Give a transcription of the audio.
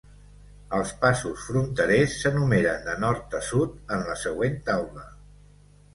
Els passos fronterers s'enumeren de nord a sud en la següent taula.